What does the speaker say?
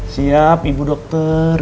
siap ibu dokter